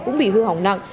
cũng bị hư hỏng nặng